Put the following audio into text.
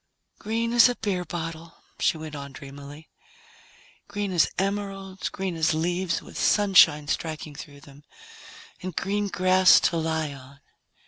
"Green as a beer bottle," she went on dreamily, "green as emeralds, green as leaves with sunshine striking through them and green grass to lie on."